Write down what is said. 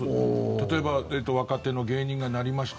例えば若手の芸人がなりました